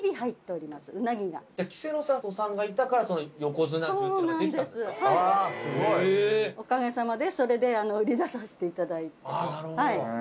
おかげさまでそれで売り出させていただいて。